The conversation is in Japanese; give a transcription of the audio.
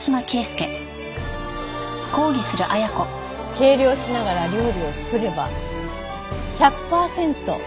計量しながら料理を作れば１００パーセント